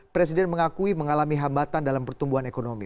presiden mengakui mengalami hambatan dalam pertumbuhan ekonomi